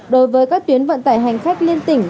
đối với các tuyến vận tải hành khách liên tỉnh